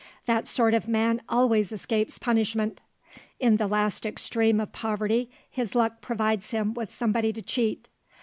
That sort of man always escapes punishment. In the last extreme of poverty his luck provides him with somebody to cheat.